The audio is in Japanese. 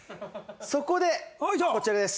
そこでこちらです！